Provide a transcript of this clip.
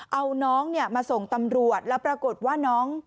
เอาน้องมาส่งตำรวจแล้วปรากฏว่าน้อง